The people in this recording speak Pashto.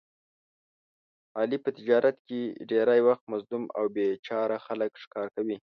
علي په تجارت کې ډېری وخت مظلوم او بې چاره خلک ښکار کوي.